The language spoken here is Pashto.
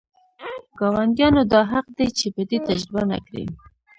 ګاونډیانو دا حق دی چې بدي تجربه نه کړي.